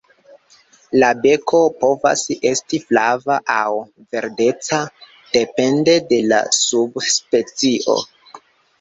La beko povas esti flava aŭ verdeca depende de la subspecio.